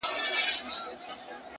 • دا یوه وینا یې څو ځله پېچله ,